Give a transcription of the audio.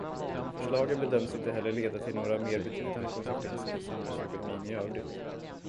Förslagen bedöms inte heller leda till några mer betydande konsekvenser för samhällsekonomin i övrigt.